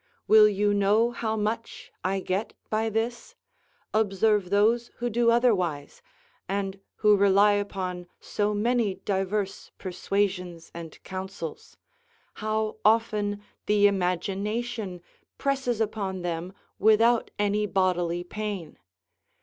Will you know how much I get by this? observe those who do otherwise, and who rely upon so many diverse persuasions and counsels; how often the imagination presses upon them without any bodily pain.